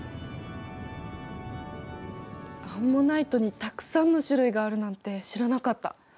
アンモナイトにたくさんの種類があるなんて知らなかった。